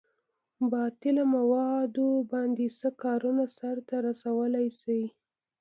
په باطله موادو باندې څه کارونه سرته رسولئ شئ؟